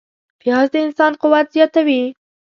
پیاز د انسان قوت زیاتوي